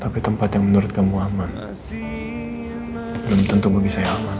tapi tempat yang menurut kamu aman belum tentu lebih saya aman